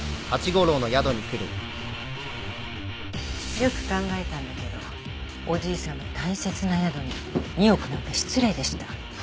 よく考えたんだけどおじいさんの大切な宿に２億なんて失礼でした。